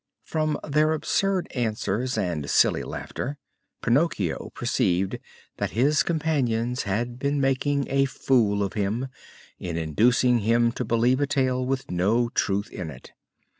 From their absurd answers and silly laughter Pinocchio perceived that his companions had been making a fool of him, in inducing him to believe a tale with no truth in it.